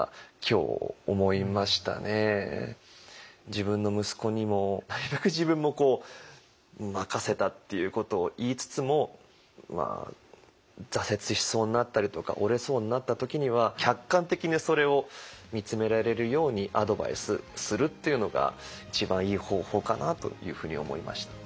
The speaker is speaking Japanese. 自分の息子にもなるべく自分も任せたっていうことを言いつつも挫折しそうになったりとか折れそうになった時には客観的にそれを見つめられるようにアドバイスするっていうのが一番いい方法かなというふうに思いました。